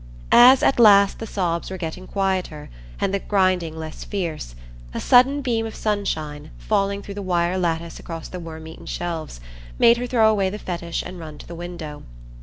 As at last the sobs were getting quieter, and the grinding less fierce, a sudden beam of sunshine, falling through the wire lattice across the worm eaten shelves, made her throw away the Fetish and run to the window.